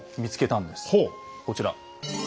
こちら。